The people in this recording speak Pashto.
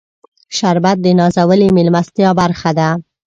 شربت د نازولې میلمستیا برخه ده